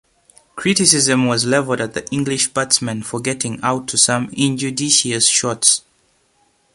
Criticism was levelled at the English batsmen for getting out to some injudicious shots.